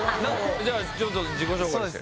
ちょっと自己紹介して。